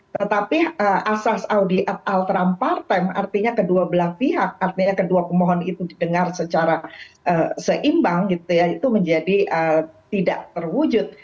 tetapi asas audiat altram partem artinya kedua belah pihak artinya kedua pemohon itu didengar secara seimbang itu menjadi tidak terwujud